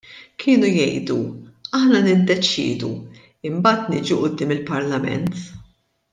Kienu jgħidu: Aħna niddeċiedu mbagħad niġu quddiem il-Parlament.